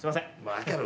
分かる。